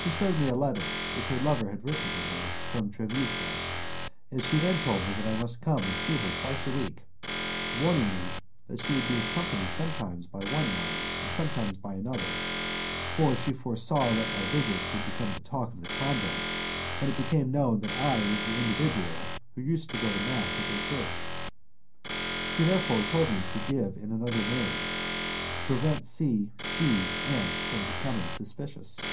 She shewed me a letter which her lover had written to her from Trevisa, and she then told me that I must come and see her twice a week, warning me that she would be accompanied sometimes by one nun and sometimes by another, for she foresaw that my visits would become the talk of the convent, when it became known that I was the individual who used to go to mass at their church. She therefore told me to give in another name, to prevent C C 's aunt from becoming suspicious.